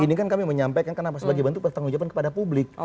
ini kan kami menyampaikan kenapa sebagai bentuk pertanggung jawaban kepada publik